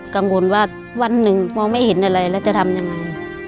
กังวลว่าวันหนึ่งมองไม่เห็นอะไรแล้วจะทำยังไง